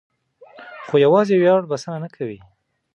خو یوازې ویاړ بسنه نه کوي.